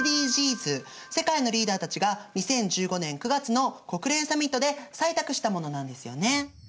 世界のリーダーたちが２０１５年９月の国連サミットで採択したものなんですよね。